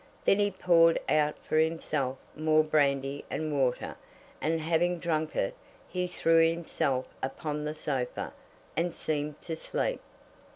Then he poured out for himself more brandy and water, and having drunk it, he threw himself upon the sofa, and seemed to sleep.